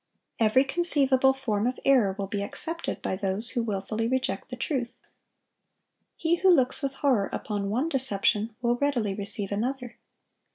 Every conceivable form of error will be accepted by those who wilfully reject the truth. He who looks with horror upon one deception will readily receive another.